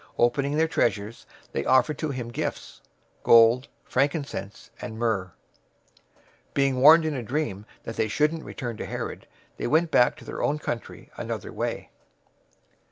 Opening their treasures, they offered to him gifts: gold, frankincense, and myrrh. 002:012 Being warned in a dream that they shouldn't return to Herod, they went back to their own country another way.